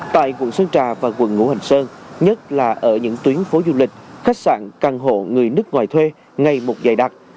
tại quận sơn trà và quận ngũ hành sơn nhất là ở những tuyến phố du lịch khách sạn căn hộ người nước ngoài thuê ngày một dày đặc